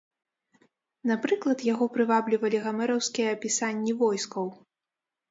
Напрыклад, яго прываблівалі гамераўскія апісанні войскаў.